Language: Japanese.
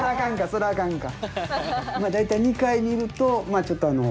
そらあかんか。